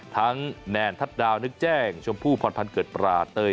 แนนทัศน์ดาวนึกแจ้งชมพู่พรพันธ์เกิดปราเต้ย